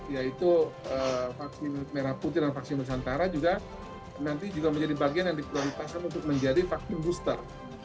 yaitu vaksin merah putih dan vaksin nusantara juga nanti juga menjadi bagian yang diprioritaskan untuk menjadi vaksin booster